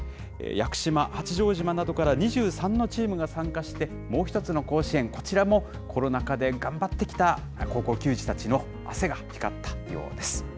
屋久島、八丈島などから２３のチームが参加して、もう一つの甲子園、こちらもコロナ禍で頑張ってきた高校球児たちの汗が光ったようです。